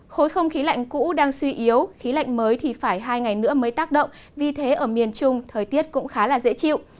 khối không khí lạnh cũ đang suy yếu khí lạnh mới thì phải hai ngày nữa mới tác động vì thế ở miền trung thời tiết cũng khá là dễ chịu